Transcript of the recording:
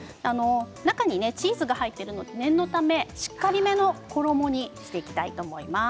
中にチーズが入っているので念のため、しっかりめの衣にしていきたいと思います。